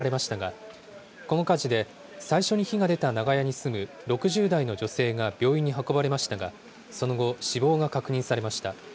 火は通報からおよそ３時間後にほぼ消し止められましたが、この火事で、最初に火が出た長屋に住む６０代の女性が病院に運ばれましたが、その後、死亡が確認されました。